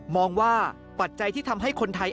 มองว่าปัจจัยที่ทำให้คนไทย